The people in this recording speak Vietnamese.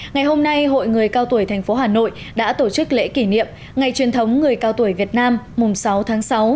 ngày hôm nay hội người cao tuổi thành phố hà nội đã tổ chức lễ kỷ niệm ngày truyền thống người cao tuổi việt nam mùng sáu tháng sáu